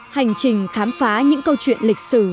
hành trình khám phá những câu chuyện lịch sử